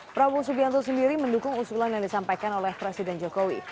prabowo subianto sendiri mendukung usulan yang disampaikan oleh presiden jokowi